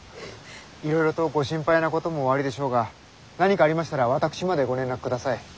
いろいろとご心配なこともおありでしょうが何かありましたら私までご連絡ください。